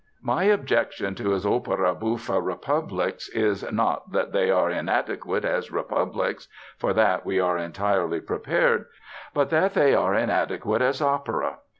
My objection to his opera bouffe republics is, not that they are inadequate as republics (for that we were entirely prepared), but that they are inadequate as opera.